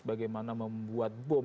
bagaimana membuat bom